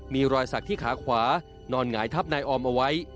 มีรอยสักที่ขาขวานอนหงายทับนายออมเอาไว้